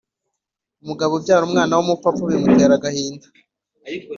Umugabo ubyaye umwana w’umupfapfa bimutera agahinda